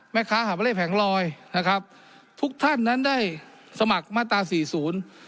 หาว่าเลขแผงลอยนะครับทุกท่านนั้นได้สมัครมาตราสี่ศูนย์